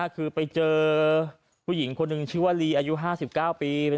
คือไปเจอผู้หญิงคนหนึ่งชื่อว่าลีอายุ๕๙ปี